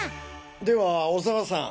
では小沢さん